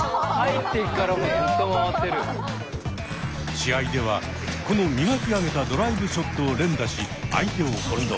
試合ではこの磨き上げたドライブショットを連打し相手を翻弄。